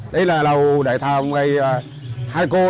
đây là lầu đại thà mấy hai cô